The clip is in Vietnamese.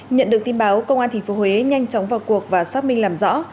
nhận được tin báo công an tp huế nhanh chóng vào cuộc và xác minh làm rõ